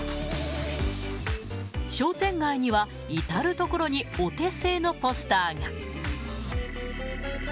商店街には、至る所にお手製のポスターが。